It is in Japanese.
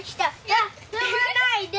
あっ踏まないで！